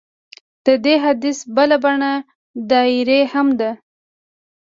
د دې حدیث بله بڼه ډایري هم ده.